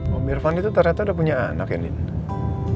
pak irfan itu ternyata udah punya anak ya nino